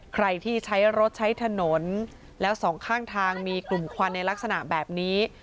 ใครที่ใช้รถใช้ถนนแล้วสองข้างทางมีกลุ่มควันในลักษณะแบบนี้